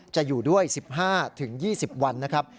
จะอยู่ด้วย๑๕๒๐วันนะครับ